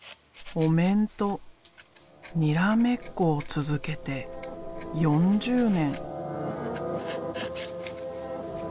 お面とにらめっこを続けて４０年。